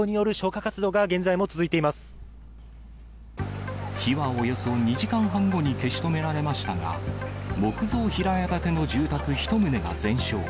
火はおよそ２時間半後に消し止められましたが、木造平屋建ての住宅１棟が全焼。